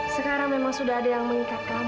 sekarang memang sudah ada yang mengikat kamu